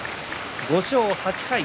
５勝８敗。